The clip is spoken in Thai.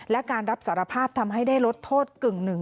และการรับสารภาพทำให้ได้ลดโทษกึ่งหนึ่ง